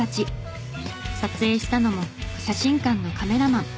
撮影したのも写真館のカメラマン。